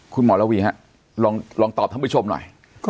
คุณหมอระวีฮะลองตอบท่านผู้ชมหน่อย